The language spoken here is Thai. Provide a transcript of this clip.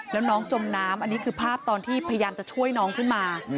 แล้วน้องจมน้ำอันนี้คือภาพตอนที่พยายามจะช่วยน้องขึ้นมา